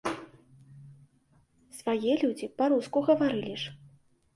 Свае людзі, па-руску гаварылі ж!